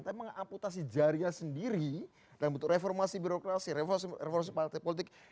tapi mengamputasi jariah sendiri dalam bentuk reformasi birokrasi reformasi partai politik